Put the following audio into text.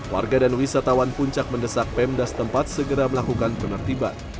warga dan wisatawan puncak mendesak pemda setempat segera melakukan penertiban